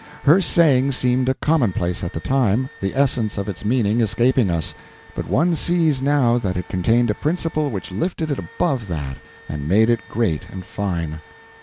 Her saying seemed a commonplace at the time, the essence of its meaning escaping us; but one sees now that it contained a principle which lifted it above that and made it great and fine.